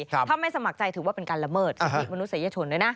ถ้าไม่สมัครใจถือว่าเป็นการละเมิดสิทธิมนุษยชนด้วยนะ